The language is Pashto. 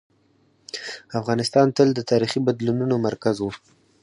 افغانستان تل د تاریخي بدلونونو مرکز و.